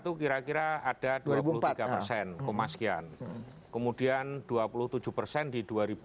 dua ribu dua puluh empat itu kira kira ada dua puluh tiga persen koma sekian kemudian dua puluh tujuh persen di dua ribu sembilan